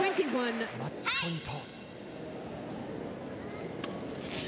マッチポイント。